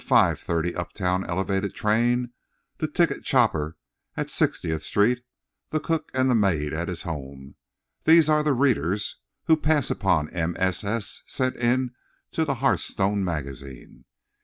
30 uptown elevated train, the ticket chopper at Sixty ––––th street, the cook and maid at his home—these are the readers who pass upon MSS. sent in to the Hearthstone Magazine.